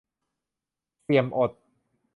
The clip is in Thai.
เสี่ยมอด